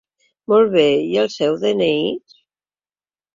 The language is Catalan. Molt bé, i el seu de-ena-i?